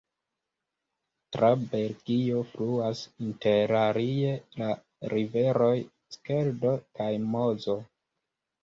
Tra Belgio fluas interalie la riveroj Skeldo kaj Mozo.